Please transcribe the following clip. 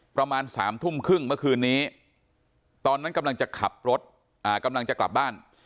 ประมาณ๓ทุ่มครึ่งเมื่อคืนนี้ตอนนั้นกำลังจะขับรถกำลังจะกลับบ้าน